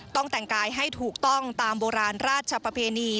แต่งกายให้ถูกต้องตามโบราณราชประเพณี